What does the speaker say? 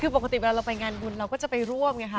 คือปกติเวลาเราไปงานบุญเราก็จะไปร่วมไงค่ะ